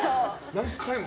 何回も。